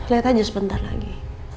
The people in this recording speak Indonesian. lihat aja sebentar lagi